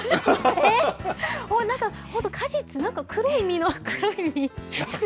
なんか、本当、果実、黒い実の、黒い実。